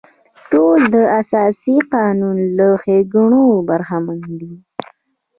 ټول د اساسي قانون له ښېګڼو برخمن وي.